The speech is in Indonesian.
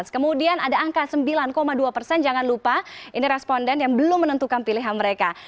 kemudian ada angka sembilan dua persen jangan lupa ini responden yang belum menentukan pilihan mereka